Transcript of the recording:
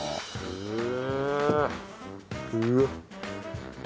へえ。